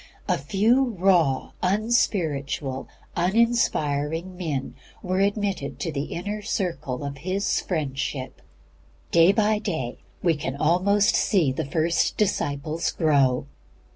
A few raw, unspiritual, uninspiring men, were admitted to the inner circle of His friendship. The change began at once. Day by day we can almost see the first disciple grow.